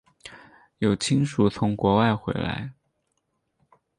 有亲属从国外回来